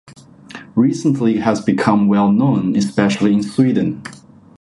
Recently it has become well known, especially in Sweden.